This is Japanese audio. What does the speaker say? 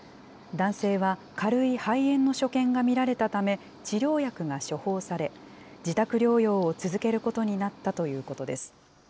男性は軽い肺炎の所見が見られたため、治療薬が処方され、自宅療養を続けることになったということです。